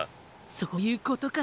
そういうことか。